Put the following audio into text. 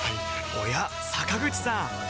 おや坂口さん